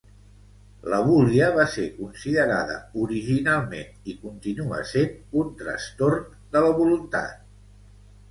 L'abúlia va ser considerada originalment i continua sent un trastorn de la voluntat.